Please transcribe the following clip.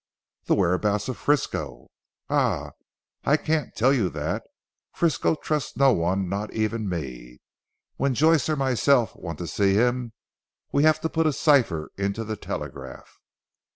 "The whereabouts of Frisco?" "Ah I can't tell you that. Frisco trusts no one, not even me. When Joyce or myself want to see him, we have to put a cipher into the 'Telegraph.'"